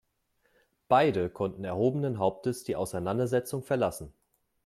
Beide konnten erhobenen Hauptes die Auseinandersetzung verlassen.